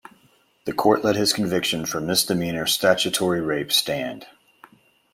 The court let his conviction for misdemeanor statutory rape stand.